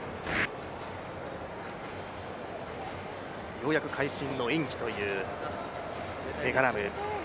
ようやく会心の演技というぺ・ガラム。